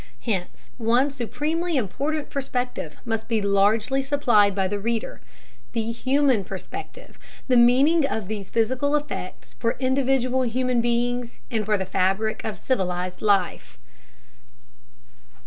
Hence one supremely important perspective must be largely supplied by the reader: the human perspective the meaning of these physical effects for individual human beings and for the fabric of civilized life.